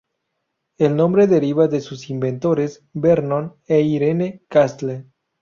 El nombre deriva de sus inventores Vernon e Irene Castle.